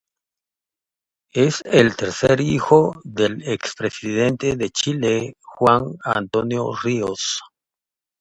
Es el tercer hijo del expresidente de Chile Juan Antonio Ríos.